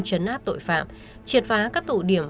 chấn áp tội phạm triệt phá các tụ điểm